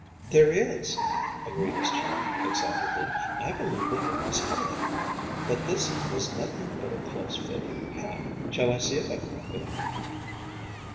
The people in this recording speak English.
"There is," agreed his chum, excitedly. "I believe the thing is hollow. That this end is nothing but a close fitting cap. Shall I see if I can knock it off?"